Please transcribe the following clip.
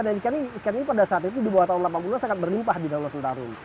dan ikan ini pada saat itu di bawah tahun delapan puluh an sangat berlimpah di dalam sentarung